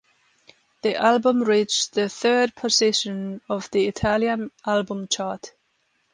The album reached the third position of the Italian album chart.